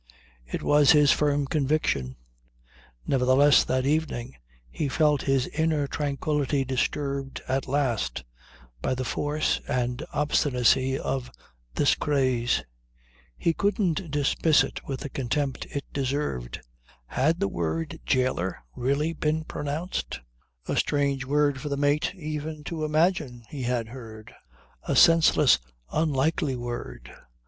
It was his firm conviction. Nevertheless, that evening, he felt his inner tranquillity disturbed at last by the force and obstinacy of this craze. He couldn't dismiss it with the contempt it deserved. Had the word "jailer" really been pronounced? A strange word for the mate to even imagine he had heard. A senseless, unlikely word.